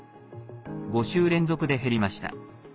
５週連続で減りました。